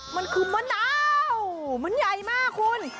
มันคือมะนาวมันใหญ่มากคุณ